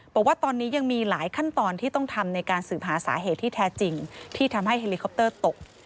บอกว่าตอนนี้ยังมีหลายขั้นตอนที่ต้องทำในการสืบหาสาเหตุที่แท้จริงที่ทำให้เฮลิคอปเตอร์ตก